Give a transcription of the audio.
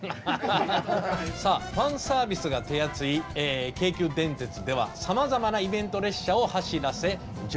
ファンサービスが手厚い京急電鉄ではさまざまなイベント列車を走らせ乗客を楽しませてきました。